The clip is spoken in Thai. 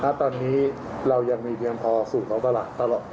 ถ้าตอนนี้เรายังมีเวียงพอสูตรของประหละ